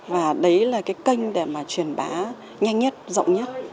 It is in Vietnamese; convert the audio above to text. và đấy là cái kênh để mà truyền bá nhanh nhất rộng nhất